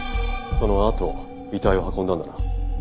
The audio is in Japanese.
そのあと遺体を運んだんだな。